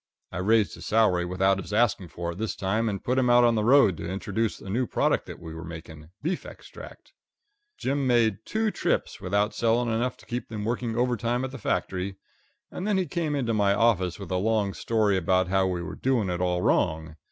I raised his salary without his asking for it this time, and put him out on the road to introduce a new product that we were making beef extract. Jim made two trips without selling enough to keep them working overtime at the factory, and then he came into my office with a long story about how we were doing it all wrong.